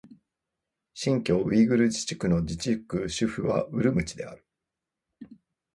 新疆ウイグル自治区の自治区首府はウルムチである